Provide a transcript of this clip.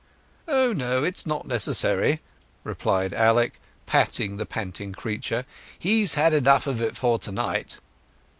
"Oh no; it's not necessary," replied Alec, patting the panting creature. "He's had enough of it for to night."